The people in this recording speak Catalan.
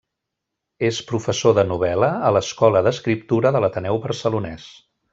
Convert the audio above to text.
És professor de novel·la a l'Escola d'Escriptura de l'Ateneu Barcelonès.